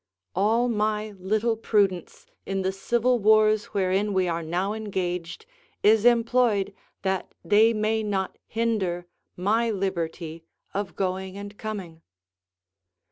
All my little prudence in the civil wars wherein we are now engaged is employed that they may not hinder my liberty of going and coming.